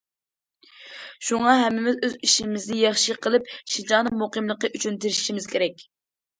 شۇڭا ھەممىمىز ئۆز ئىشىمىزنى ياخشى قىلىپ، شىنجاڭنىڭ مۇقىملىقى ئۈچۈن تىرىشىشىمىز كېرەك.